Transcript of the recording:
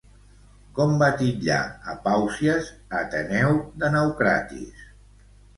Com va titllar a Pàusies, Ateneu de Naucratis?